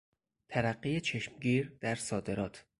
ترقی چشمگیر در صادرات